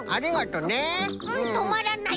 うんとまらない。